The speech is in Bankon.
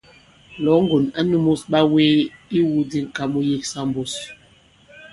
Lɔ̌ŋgòn ǎ nūmus ɓawee ìwu di ŋ̀ka mu yiksa mbus.